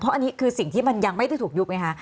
อันนี้คือสิ่งที่มันยังไม่ได้ถูกยุบไงคะ